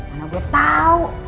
mana gue tau